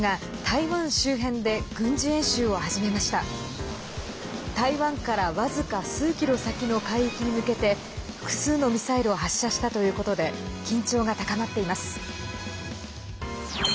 台湾から僅か数キロ先の海域に向けて複数のミサイルを発射したということで緊張が高まっています。